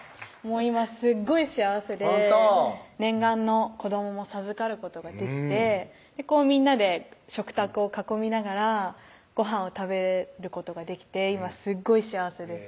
今すっごい幸せでほんと念願の子どもも授かることができてみんなで食卓を囲みながらごはんを食べることができて今すっごい幸せです